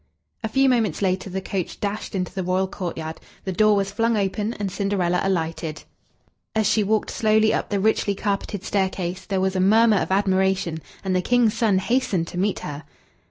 A few moments later, the coach dashed into the royal courtyard, the door was flung open, and Cinderella alighted. As she walked slowly up the richly carpeted staircase, there was a murmur of admiration, and the King's son hastened to meet her.